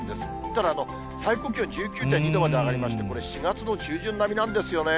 ただ、最高気温１９．２度まで上がりまして、これ、４月の中旬並みなんですよね。